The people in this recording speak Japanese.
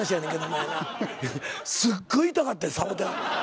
すっごい痛かってんサボテン。